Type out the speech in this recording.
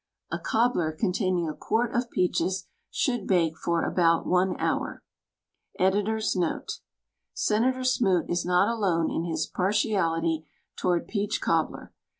A cobbler containing a quart of peaches should bake for about one hour. Editor's Note :— Senator Smoot is not alone in his par tiality toward peach cobbler.